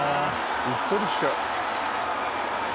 「うっとりしちゃう」